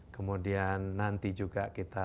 kemudian nanti juga kita